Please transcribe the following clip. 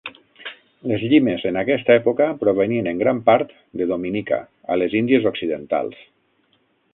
Les llimes en aquesta època provenien en gran part de Dominica a les Índies Occidentals.